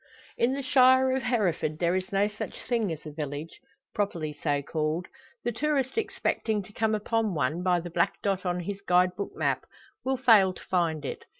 In the shire of Hereford there is no such thing as a village properly so called. The tourist expecting to come upon one, by the black dot on his guide book map, will fail to find it.